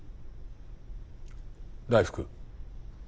大福。